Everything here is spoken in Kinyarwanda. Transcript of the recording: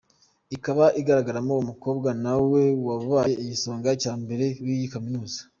Ikaba igaragaramo umukobwa nawe wabaye Igisonga cya mbere w’iyi Kaminuza.